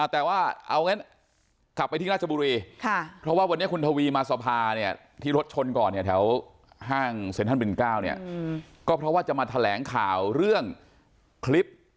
แต่ว่าเอางั้นกลับไปที่ราชบุรี